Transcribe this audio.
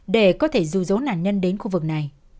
để có thể dù dấu nạn nhân đến khu vực này